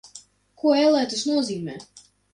Ko, ellē, tas nozīmē?